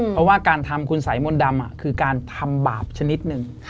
เพราะว่าการทำคุณสายมนต์ดำคือการทำบาปชนิดหนึ่ง